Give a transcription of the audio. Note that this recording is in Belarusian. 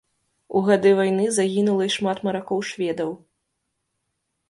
У гады вайны загінула і шмат маракоў-шведаў.